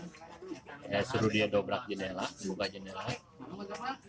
saya suruh dia dobrak jendela buka jendela